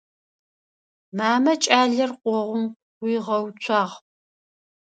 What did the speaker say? Мамэ кӏалэр къогъум къуигъэуцуагъ.